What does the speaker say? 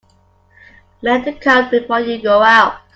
Mend the coat before you go out.